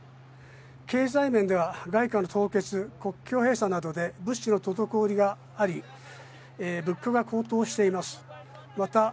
経済面では外貨の凍結、国境閉鎖などで物資の滞りがあり、物価が高騰しています。